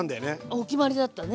お決まりだったね。